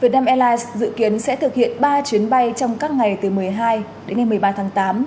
việt nam airlines dự kiến sẽ thực hiện ba chuyến bay trong các ngày từ một mươi hai đến ngày một mươi ba tháng tám